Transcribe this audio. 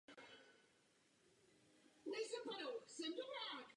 Velmi populárním nápojem je rum.